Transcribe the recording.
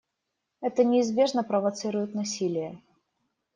Это неизбежно провоцирует насилие.